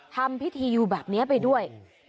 ทำพิธีอยู่แบบนี้ไปด้วย